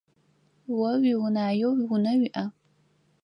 О уиунаеу унэ уиӏа?